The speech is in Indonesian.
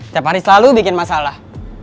setiap hari selalu bikin masalah